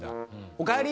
「おかえり！」